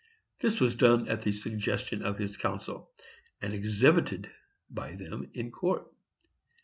This was done at the suggestion of his counsel, and exhibited by them in court.